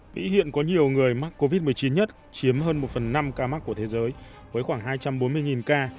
mỹ hiện có nhiều người mắc covid một mươi chín nhất chiếm hơn một phần năm ca mắc của thế giới với khoảng hai trăm bốn mươi ca